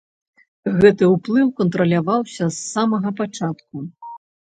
Гэты ўплыў кантраляваўся з самага пачатку.